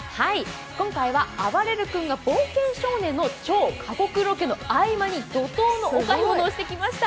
今回はあばれる君が「冒険少年」の超過酷ロケの合間に怒とうのお買い物をしてきました。